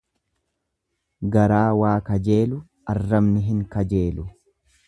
Garaa waa kajeelu arrabni hin kajeelu.